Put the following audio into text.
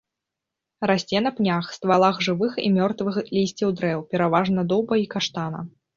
Расце на пнях, ствалах жывых і мёртвых лісцевых дрэў, пераважна дуба і каштана.